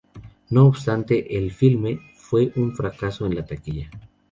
No obstante, el filme fue un fracaso en la taquilla.